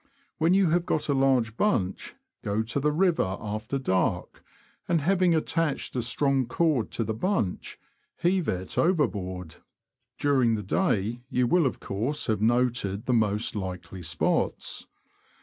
When you have got a large bunch, go to the river after dark, and having attached a strong cord to the bunch, heave it overboard. (During the day, you will, of course, have noted the most likely spots.)